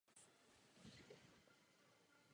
Mistrem Evropy se stalo družstvo Polska.